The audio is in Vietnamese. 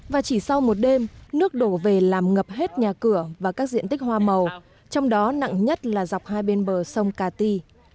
và chỉ sau một đêm nước đổ về làm ngập hết nhà cửa và các diện tích hoa màu trong đó nặng nhất là dọc hai bên bờ sông cà ti